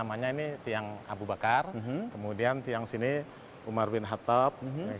namanya ini tiang abu bakar kemudian tiang sini umar bin khattab